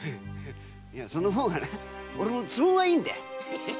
その方が俺も都合がいいんだよ。